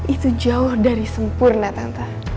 itu jauh dari sempurna tante